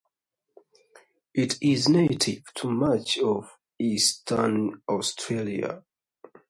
It is native to much of eastern Australia.